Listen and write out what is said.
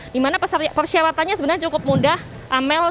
dimana persyaratannya sebenarnya cukup mudah amel